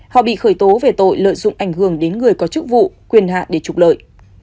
họ bị khởi tố về tội lợi dụng ảnh hưởng đến người có chức vụ quyền hạ để trục lợi